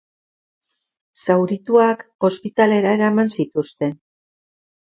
Zaurituak ospitalera eraman zituzten.